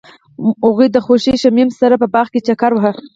هغوی د خوږ شمیم سره په باغ کې چکر وواهه.